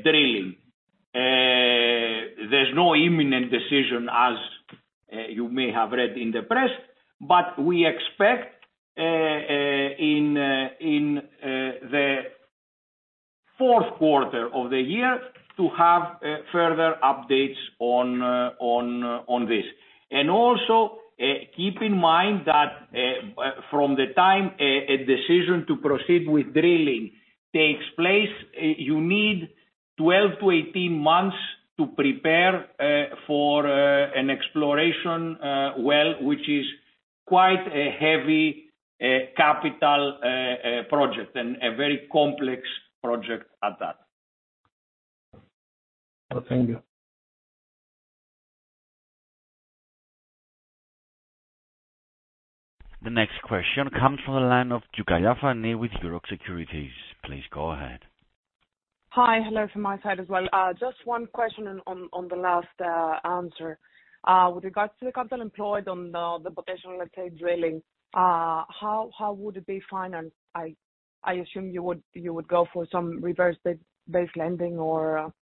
drilling. There's no imminent decision, as you may have read in the press, but we expect in the fourth quarter of the year to have further updates on this. Also, keep in mind that from the time a decision to proceed with drilling takes place, you need 12-18 months to prepare for an exploration well, which is quite a heavy capital project, and a very complex project at that. Thank you. The next question comes from the line of Fani Tzioukalia with Euroxx Securities. Please go ahead. Hi, hello from my side as well. Just one question on the last answer. With regards to the capital employed on the potential, let's say, drilling, how would it be financed? I assume you would go for some reverse based lending or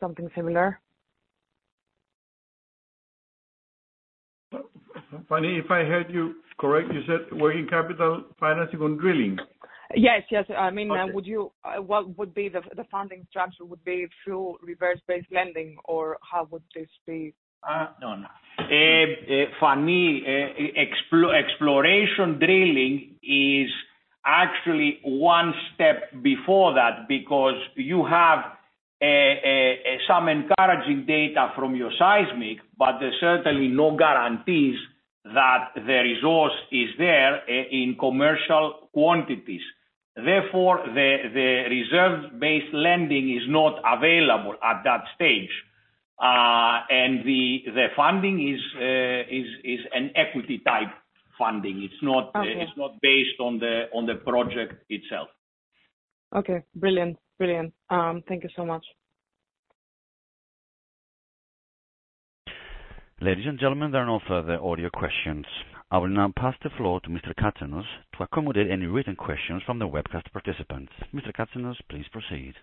something similar. Fani, if I heard you correctly, you said working capital financing on drilling? Yes, yes. I mean what would be the, the funding structure? Would be through reserve-based lending, or how would this be? No, no. Fani, exploration drilling is actually one step before that, because you have some encouraging data from your seismic, but there's certainly no guarantees that the resource is there in commercial quantities. Therefore, the reserve-based lending is not available at that stage, and the funding is an equity-type funding. It's not based on the project itself. Okay, brilliant, brilliant. Thank you so much. Ladies and gentlemen, there are no further audio questions. I will now pass the floor to Mr. Katsanos to accommodate any written questions from the webcast participants. Mr. Katsanos, please proceed.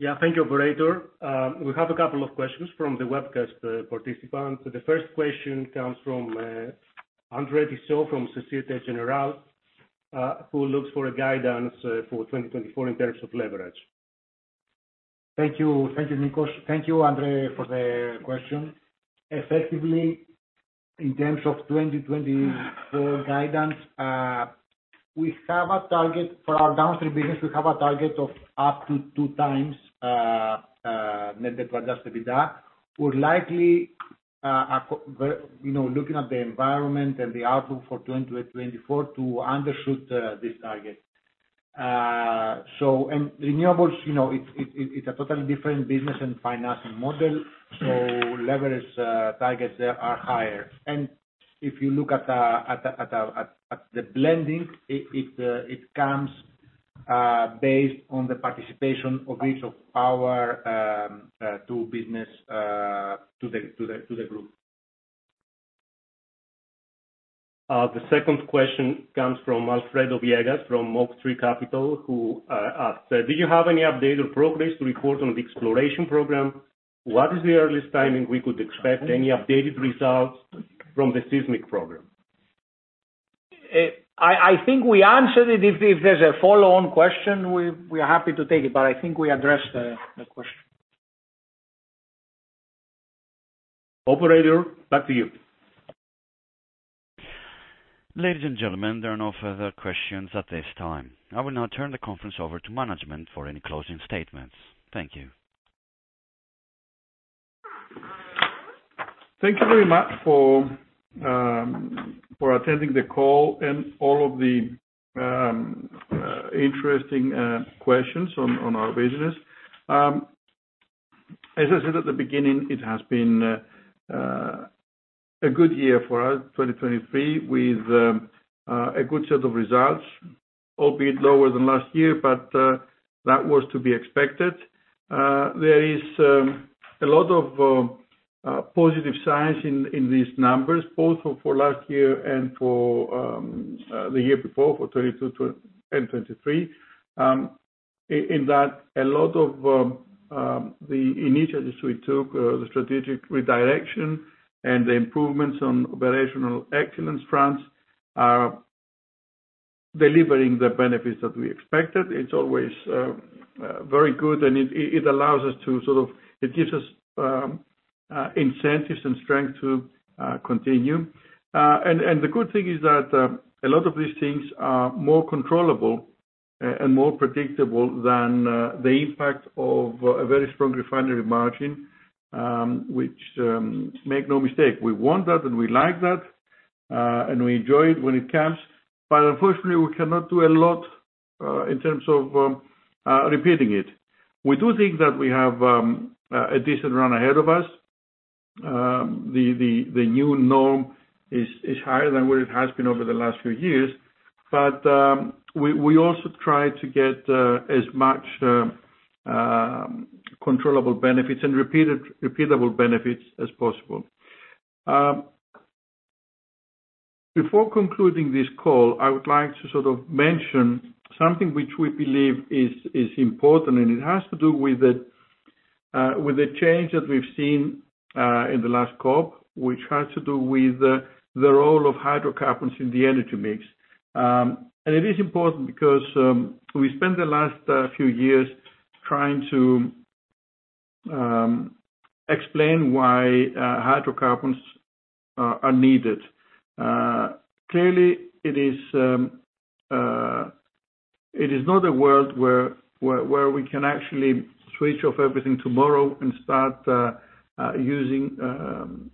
Yeah, thank you, operator. We have a couple of questions from the webcast participants. The first question comes from Andre Tissot from Société Générale, who looks for a guidance for 2024 in terms of leverage. Thank you. Thank you, Nikos. Thank you, Andre, for the question. Effectively, in terms of 2024 guidance, we have a target for our downstream business. We have a target of up to 2x net debt-adjusted EBITDA. We're likely, however, you know, looking at the environment and the outlook for 2024 to undershoot this target. So, and renewables, you know, it's a totally different business and financial model, so leverage targets there are higher. And if you look at the blending, it comes based on the participation of each of our two businesses to the group. The second question comes from Alfredo Viegas, from Oaktree Capital, who asked: Do you have any updated progress to report on the exploration program? What is the earliest timing we could expect any updated results from the seismic program? I think we answered it. If there's a follow-on question, we are happy to take it, but I think we addressed the question. Operator, back to you. Ladies and gentlemen, there are no further questions at this time. I will now turn the conference over to management for any closing statements. Thank you. Thank you very much for attending the call and all of the interesting questions on our business. As I said at the beginning, it has been a good year for us, 2023, with a good set of results, albeit lower than last year, but that was to be expected. There is a lot of positive signs in these numbers, both for last year and for the year before, for 2022 to and 2023. In that, a lot of the initiatives we took, the strategic redirection and the improvements on operational excellence fronts are delivering the benefits that we expected. It's always very good, and it gives us incentives and strength to continue. The good thing is that a lot of these things are more controllable and more predictable than the impact of a very strong refinery margin, which, make no mistake, we want that, and we like that, and we enjoy it when it comes, but unfortunately, we cannot do a lot in terms of repeating it. We do think that we have a decent run ahead of us. The new norm is higher than what it has been over the last few years, but we also try to get as much controllable benefits and repeatable benefits as possible. Before concluding this call, I would like to sort of mention something which we believe is important, and it has to do with the change that we've seen in the last COP, which has to do with the role of hydrocarbons in the energy mix. And it is important because we spent the last few years trying to explain why hydrocarbons are needed. Clearly, it is not a world where we can actually switch off everything tomorrow and start using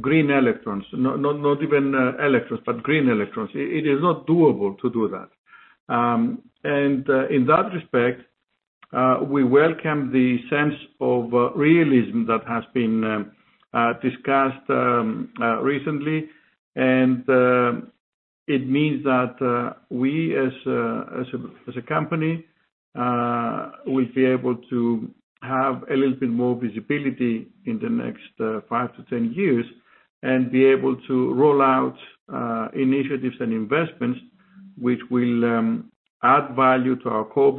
green electrons. Not even electrons, but green electrons. It is not doable to do that. And in that respect, we welcome the sense of realism that has been discussed recently. It means that we, as a company, will be able to have a little bit more visibility in the next 5-10 years, and be able to roll out initiatives and investments which will add value to our core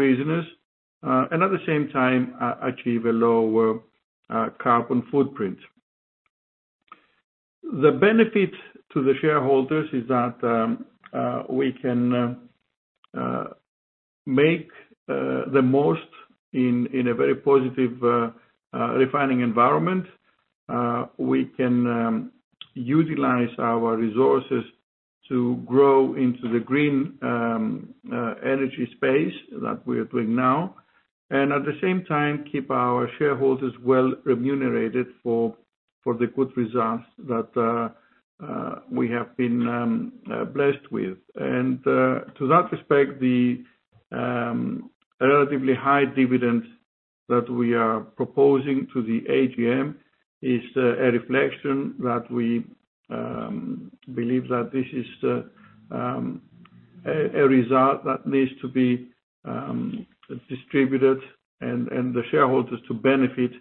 business, and at the same time, achieve a lower carbon footprint. The benefit to the shareholders is that we can make the most in a very positive refining environment. We can utilize our resources to grow into the green energy space that we are doing now, and at the same time, keep our shareholders well remunerated for the good results that we have been blessed with. To that respect, the relatively high dividend that we are proposing to the AGM is a reflection that we believe that this is a result that needs to be distributed, and the shareholders to benefit,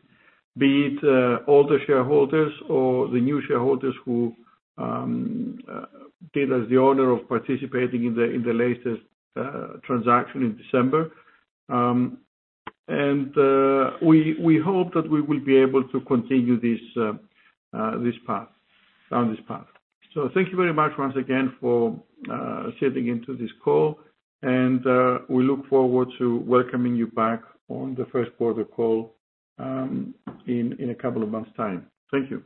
be it older shareholders or the new shareholders who did us the honor of participating in the latest transaction in December. And we hope that we will be able to continue this path, down this path. So thank you very much once again for sitting into this call, and we look forward to welcoming you back on the first quarter call, in a couple of months' time. Thank you.